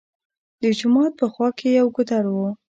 د جومات په خوا کښې يو ګودر وو